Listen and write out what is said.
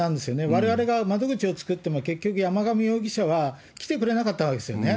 われわれが窓口を作っても、結局、山上容疑者は来てくれなかったわけですよね。